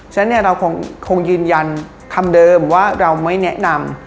ฉะนั้นเราคงยืนยันคำเดิมว่าเราไม่แนะนำ